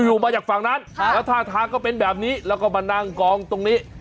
อยู่มาจากฝั่งนั้นแล้วท่าทางก็เป็นแบบนี้แล้วก็มานั่งกองตรงนี้